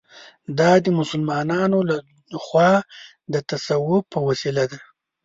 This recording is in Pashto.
دا د مسلمانانو له خوا د تصوف په وسیله ده.